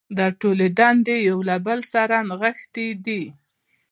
دا ټولې دندې یو له بل سره نغښتې دي.